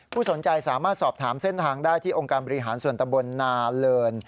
สนใจสามารถสอบถามเส้นทางได้ที่องค์การบริหารส่วนตะบลนาเลิน